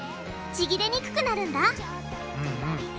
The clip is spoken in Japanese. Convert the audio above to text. ちぎれにくくなるんだ